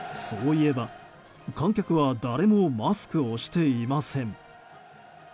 そういえば観客は誰もマスクをしていません。